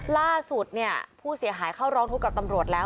ล่าสุดเนี่ยผู้เสียหายเข้าร้องทุกข์กับตำรวจแล้ว